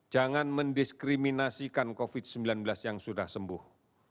jangan mendiskriminasikan covid sembilan belas yang sudah sembuh